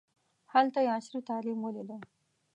هلته یې عصري تعلیم ولیده.